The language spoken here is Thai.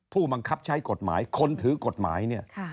ผู้บังคับใช้กฎหมายคนถือกฎหมายเนี่ย